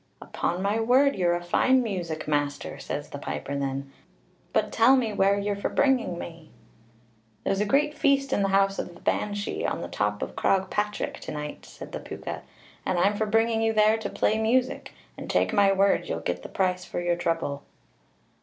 "Upon my word, you're a fine music master," says the piper then; "but tell me where you're for bringing me." "There's a great feast in the house of the Banshee, on the top of Croagh Patric to night," says the Púca, "and I'm for bringing you there to play music, and, take my word, you'll get the price of your trouble."